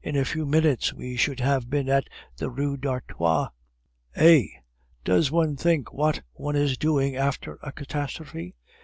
In a few minutes we should have been in the Rue d'Artois." "Eh! does one think what one is doing after a catastrophe?